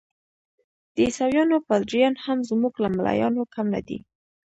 د عیسویانو پادریان هم زموږ له ملایانو کم نه دي.